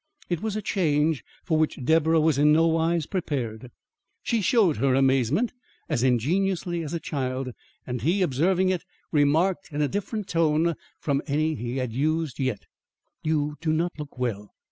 It was a change for which Deborah was in no wise prepared. She showed her amazement as ingenuously as a child, and he, observing it, remarked in a different tone from any he had used yet: "You do not look well.